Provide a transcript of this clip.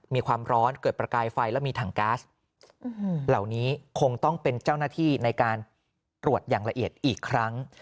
มีความร้อนเกิดประกายไฟแล้วมีถังก๊าซเหล่านี้คงต้องเป็นเจ้าหน้าที่ในการตรวจอย่างละเอียดอีกครั้ง